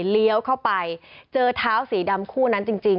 เลี้ยวเข้าไปเจอเท้าสีดำคู่นั้นจริง